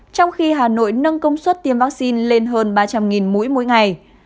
trong khi hà nội nâng công suất tiêm vaccine lên hơn ba trăm linh mũi mỗi ngày